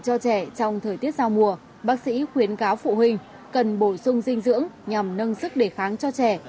cho trẻ trong thời tiết giao mùa bác sĩ khuyến cáo phụ huynh cần bổ sung dinh dưỡng nhằm nâng sức đề kháng cho trẻ